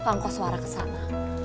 kangkos suara kesana